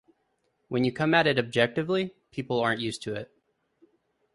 When you come at it objectively, people aren't used to it.